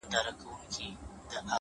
چي ورته سر ټيټ كړمه . وژاړمه.